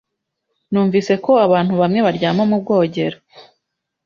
Numvise ko abantu bamwe baryama mubwogero.